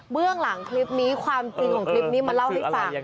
เรื่องหลังคลิปนี้ความจริงของคลิปนี้มาเล่าให้ฟัง